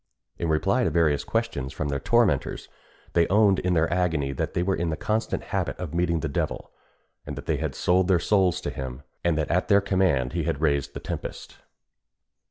In reply to various questions from their tormentors, they owned in their agony that they were in the constant habit of meeting the devil; that they had sold their souls to him; and that at their command he had raised the tempest.